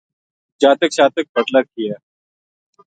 جاتک شاتک بٹلا کیا